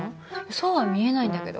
そうは見えないんだけど。